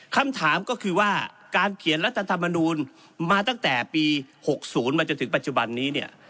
คำถามก็คือว่าการเขียนรัฐธรรมนูลมาตั้งแต่ปี๖๐มาจนถึงปัจจุบันนี้เนี่ย